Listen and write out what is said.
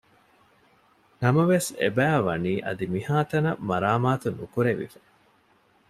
ނަމަވެސް އެބައިވަނީ އަދި މިހާތަނަށް މަރާމާތު ނުކުރެވިފަ